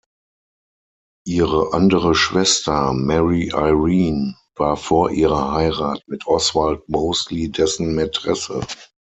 Ihre andere Schwester, Mary Irene, war vor ihrer Heirat mit Oswald Mosley dessen Mätresse.